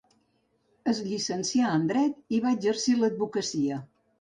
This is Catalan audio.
Es llicencià en dret i va exercir l'advocacia.